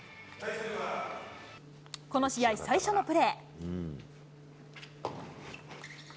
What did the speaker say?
この試合、最初のプレー。